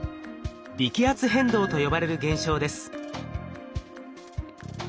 微気圧変動と呼ばれる現象です。